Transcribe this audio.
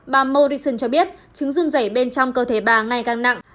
bà morrison cho biết chứng dung dẩy bên trong cơ thể bà ngày càng nặng